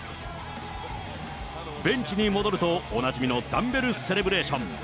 ベンチに戻ると、おなじみのダンベルセレブレーション。